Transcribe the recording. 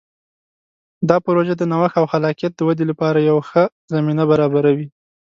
دا پروژه د نوښت او خلاقیت د ودې لپاره یوه ښه زمینه برابروي.